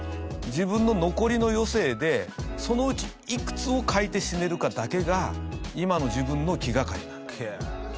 「自分の残りの余生でそのうちいくつを書いて死ねるかだけが今の自分の気がかりなんだ」。